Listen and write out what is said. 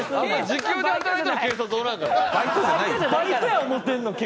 時給で働いとる警察おらんから。